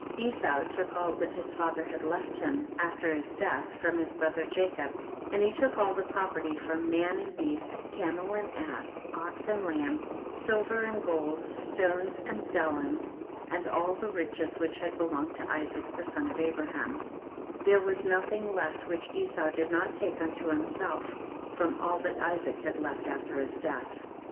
30. Esau took all that his father had left him after his death from his brother Jacob, and he took all the property, from man and beast, camel and ass, ox and lamb, silver and gold, stones and bdellium, and all the riches which had belonged to Isaac the son of Abraham ; there was no thing left which Esau did not take unto himself, from all that Isaac had left after his death.